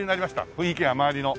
雰囲気が周りの。